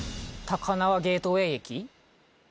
高輪ゲートウェイ駅